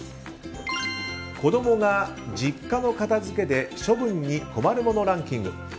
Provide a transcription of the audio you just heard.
子供が実家の片付けで処分に困るものランキング。